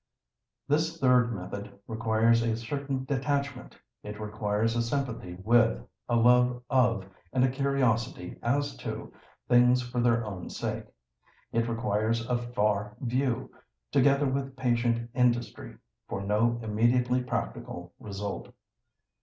This third method requires a certain detachment; it requires a sympathy with, a love of, and a curiosity as to, things for their own sake; it requires a far view, together with patient industry, for no immediately practical result.